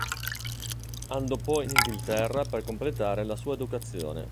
Andò poi in Inghilterra per completare la sua educazione.